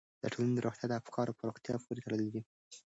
د ټولنې روغتیا د افکارو په روغتیا پورې تړلې ده.